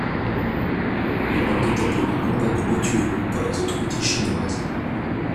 La langue est appelée monba de Motuo par les autorités chinoises.